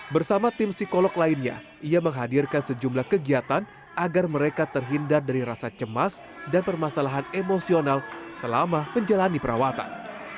bersama tim psikolog lainnya ia menghadirkan sejumlah kegiatan agar mereka terhindar dari rasa cemas dan permasalahan emosional selama menjalani perawatan